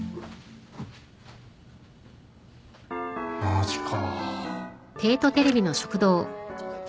マジか。